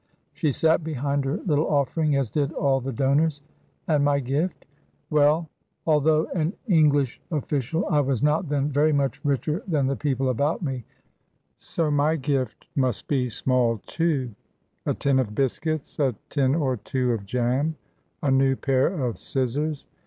She sat behind her little offering, as did all the donors. And my gift? Well, although an English official, I was not then very much richer than the people about me, so my gift must be small, too a tin of biscuits, a tin or two of jam, a new pair of scissors.